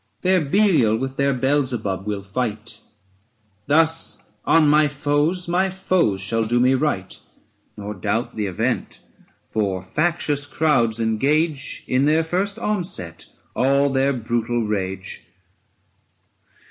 1015 Their Belial with their Beelzebub will fight; Thus on my foes my foes shall do me right. Nor doubt the event; for factious crowds engage In their first onset all their brutal rage.